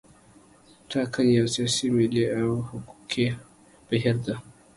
ټاکنې یو سیاسي، ملي او حقوقي بهیر دی.